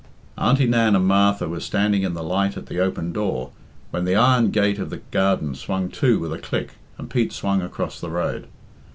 Auntie Nan and Martha were standing in the light at the open door when the iron gate of the garden swung to with a click, and Pete swung across the road.